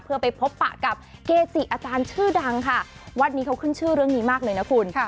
เพื่อไปพบปะกับเกจิอาจารย์ชื่อดังค่ะวัดนี้เขาขึ้นชื่อเรื่องนี้มากเลยนะคุณ